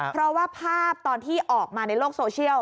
เพราะว่าภาพตอนที่ออกมาในโลกโซเชียล